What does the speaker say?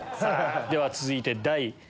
では続いて第２位。